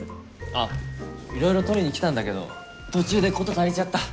あっいろいろ取りに来たんだけど途中で事足りちゃった。